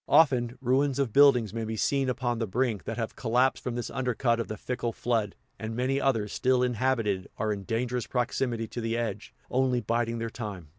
Often, ruins of buildings may be seen upon the brink, that have collapsed from this undercut of the fickle flood; and many others, still inhabited, are in dangerous proximity to the edge, only biding their time.